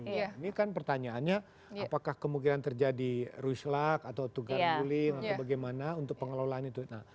ini kan pertanyaannya apakah kemungkinan terjadi rushlak atau tugas buling atau bagaimana untuk pengelolaan itu